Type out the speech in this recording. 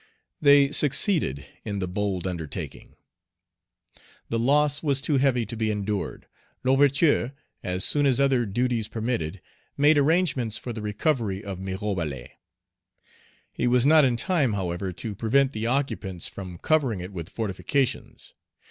They succeeded in the bold undertaking. The loss was too heavy to be endured. L'Ouverture, as soon as other duties permitted, made arrangements for the recovery of Mirebalais. He was not in time, however, to prevent the occupants from covering it with fortifications.